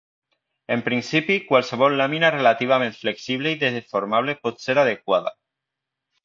En principi qualsevol làmina relativament flexible i deformable pot ser adequada.